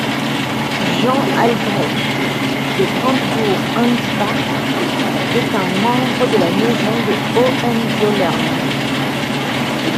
Jean Albrecht de Brandebourg-Ansbach est un membre de la Maison de Hohenzollern.